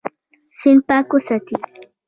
سیند پاک وساتئ.